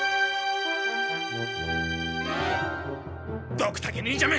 ドクタケ忍者め！